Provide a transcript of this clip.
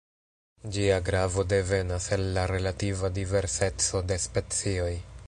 Ĝia gravo devenas el la relativa diverseco de specioj.